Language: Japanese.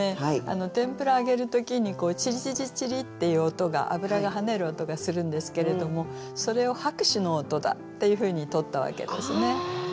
天ぷら揚げる時にチリチリチリッていう音が油が跳ねる音がするんですけれどもそれを拍手の音だっていうふうにとったわけですね。